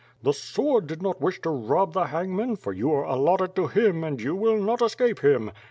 The sword did not wish to rob the hangman, for you are allotted to him and you will not escape him.